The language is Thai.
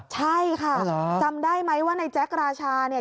ใช่ค่ะจำได้ไหมว่าในแจ๊คราชาเนี่ย